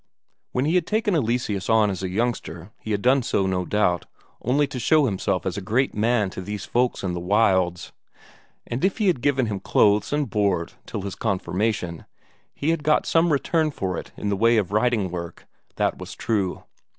When he had taken Eleseus on as a youngster, he had done so, no doubt, only to show himself as a great man to these folks in the wilds; and if he had given him clothes and board till his confirmation, he had got some return for it in the way of writing work, that was true.